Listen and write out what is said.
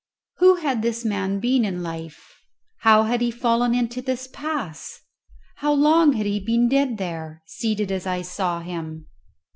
Who had this man been in life? How had he fallen into this pass? How long had he been dead there, seated as I saw him?